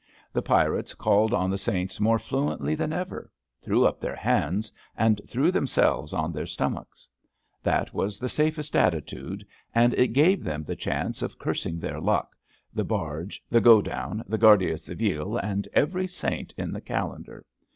The pirates called on the saints more fluently than ever, threw up their hands, and threw themselves on their stomachs. That was the safest attitude, and it gave them the chance of cursing their luck, the barge, the go down, the Guarda Civile, and every saint in the calendar.